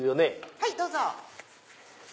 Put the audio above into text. はいどうぞ。